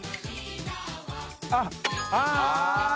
△あっ！